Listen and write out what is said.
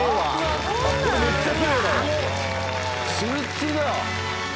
つるっつるだよ。